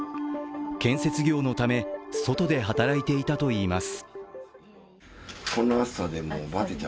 建設業のため、外で働いていたといいます。